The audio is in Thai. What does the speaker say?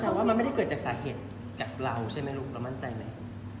แต่มันคือว่ามันไม่เกิดจากสาเหตุกับเราใช่ไหมลูกแล้วมันใจไหม